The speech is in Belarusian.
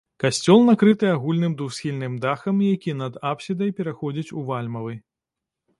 Касцёл накрыты агульным двухсхільным дахам, які над апсідай пераходзіць у вальмавы.